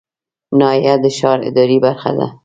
ناحیه د ښار اداري برخه ده